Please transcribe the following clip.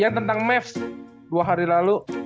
yang tentang mavs dua hari lalu